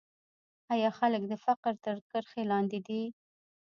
آیا خلک د فقر تر کرښې لاندې دي؟